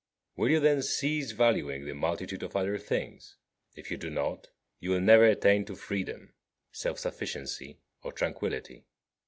Will you, then, cease valuing the multitude of other things? If you do not, you will never attain to freedom, self sufficiency, or tranquillity.